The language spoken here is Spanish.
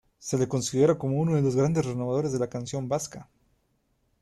Se le considera como uno de los grandes renovadores de la canción vasca.